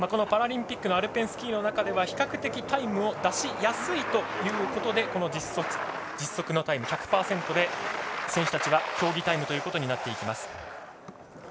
パラリンピックのアルペンスキーの中では比較的タイムを出しやすいということでこの実測のタイム１００％で選手たちが競技タイムとなっていきます。